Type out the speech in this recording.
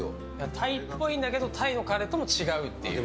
タイっぽいんだけどタイのカレーとも違うっていう。